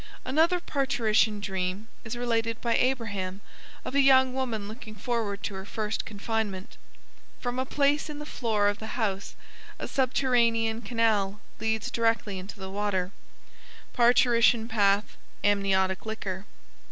Another parturition dream is related by Abraham of a young woman looking forward to her first confinement. From a place in the floor of the house a subterranean canal leads directly into the water (parturition path, amniotic liquor).